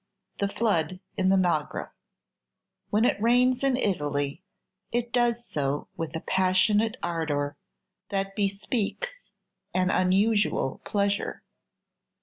THE FLOOD IN THE MAGRA When it rains in Italy it does so with a passionate ardor that bespeaks an unusual pleasure.